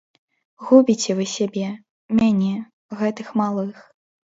Губіце вы сябе, мяне, гэтых малых.